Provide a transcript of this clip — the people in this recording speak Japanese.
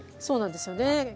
そうなんですよね。